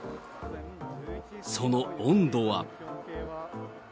その温度は。